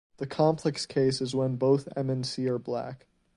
The complex case is when both M and C are black.